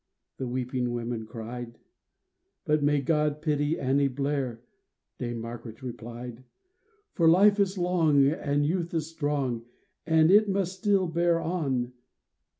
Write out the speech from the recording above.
" The weeping women cried ; But '' May God pity Annie Blair !" Dame Margaret replied. For life is long and youth is strong, And it must still bear on.